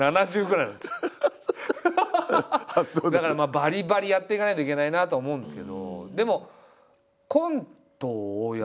だからバリバリやっていかないといけないなとは思うんですけど。